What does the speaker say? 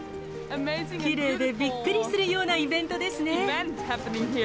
きれいで、びっくりするようなイベントですね。